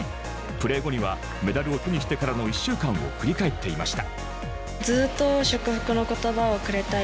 プレー後にはメダルを手にしてからの１週間を振り返っていました。